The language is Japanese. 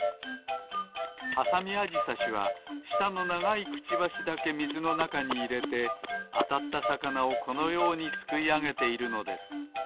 ハサミアジサシはしたのながいクチバシだけみずのなかにいれてあたったさかなをこのようにすくいあげているのです。